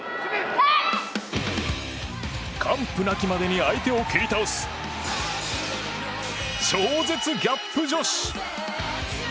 完膚なきまでに相手を蹴り倒す超絶ギャップ女子。